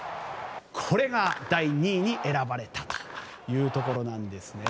これが第２位に選ばれたというところなんですね。